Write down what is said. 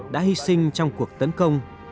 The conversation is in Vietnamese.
đã hy sinh trong cuộc tấn công